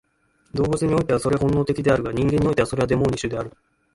動物においてはそれは本能的であるが、人間においてはそれはデモーニッシュである。